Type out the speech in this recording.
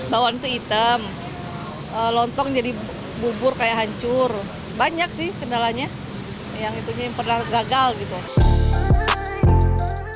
bawaan itu hitam lontong jadi bubur kayak hancur banyak sih kendalanya yang itunya yang pernah gagal gitu